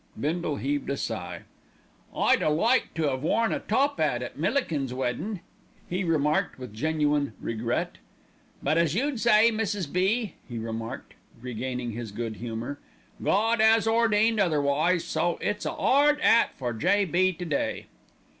Bindle heaved a sigh. "I'd a liked to 'ave worn a top 'at at Millikins' weddin'," he remarked with genuine regret; "but as you'd say, Mrs. B.," he remarked, regaining his good humour, "Gawd 'as ordained otherwise, so it's a 'ard 'at for J.B. to day."